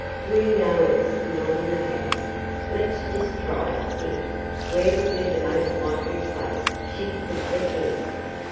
We know it 's not in the house; let 's just try to think where would be the most likely place she 'd put the thing.